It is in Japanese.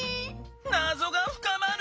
なぞがふかまる！